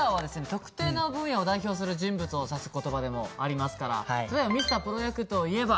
特定の分野を代表する人物を指す言葉でもありますから例えばＭｒ．プロ野球といえば？